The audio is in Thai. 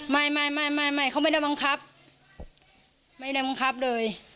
ไม่ไม่เขาไม่ได้บังคับไม่ได้บังคับเลย